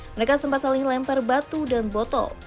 mereka sempat saling lempar batu dan botol